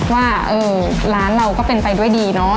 ว่าร้านเราก็เป็นไปด้วยดีเนาะ